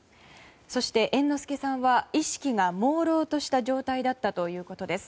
そして、猿之助さんは意識がもうろうとした状態だったということです。